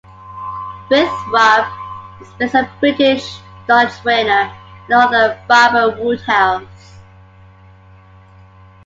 Winthrop is based on British dog trainer and author Barbara Woodhouse.